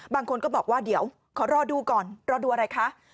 บางคนก็บอกว่าเดี๋ยวขอรอดูก่อนรอดูอะไรคะ